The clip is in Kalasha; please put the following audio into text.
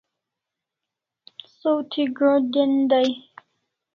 Saw thi go'n' den dai